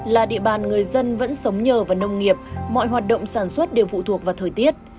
là địa bàn người dân vẫn sống nhờ vào nông nghiệp mọi hoạt động sản xuất đều phụ thuộc vào thời tiết